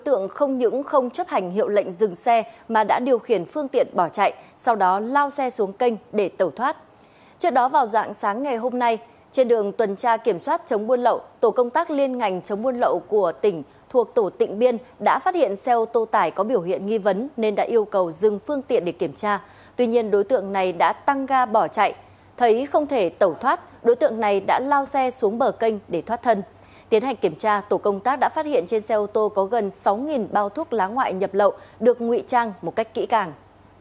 tiến hành kiểm tra tổ công tác đã phát hiện trên xe ô tô có gần sáu bao thuốc lá ngoại nhập lậu được ngụy trang một cách kỹ càng